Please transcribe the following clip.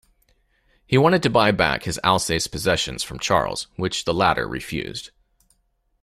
He wanted to buy back his Alsace possessions from Charles, which the latter refused.